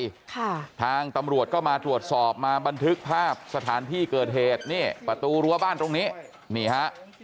ค่ะทางตำรวจก็มาตรวจสอบมาบันทึกภาพสถานที่เกิดเหตุนี่ประตูรั้วบ้านตรงนี้นี่ฮะ